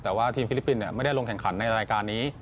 แต่ว่าทีมฟิลิปปินส์ไม่ได้ลงแข่งขันในรายการนี้